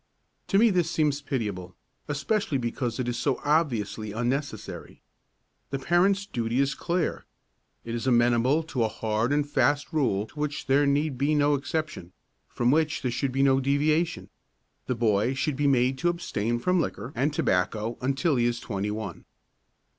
To me this seems pitiable, especially because it is so obviously unnecessary. The parents' duty is clear. It is amenable to a hard and fast rule to which there need be no exception, from which there should be no deviation. The boy should be made to abstain from liquor and tobacco until he is twenty one.